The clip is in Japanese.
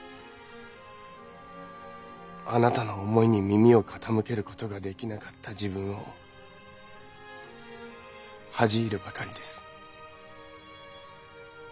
あなたの思いに耳を傾ける事ができなかった自分を恥じ入るばかりです。